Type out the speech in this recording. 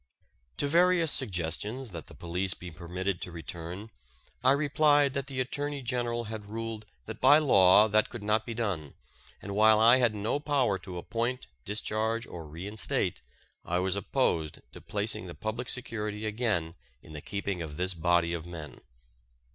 To various suggestions that the police be permitted to return I replied that the Attorney General had ruled that by law that could not be done and while I had no power to appoint, discharge, or reinstate, I was opposed to placing the public security again in the keeping of this body of men.